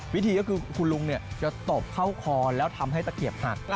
วิธีก็คือคุณลุงจะตบเข้าคอแล้วทำให้ตะเกียบหัก